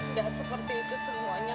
nggak seperti itu semuanya